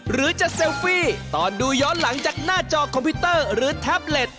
หรือจะเซลฟี่ตอนดูย้อนหลังจากหน้าจอคอมพิวเตอร์หรือแท็บเล็ต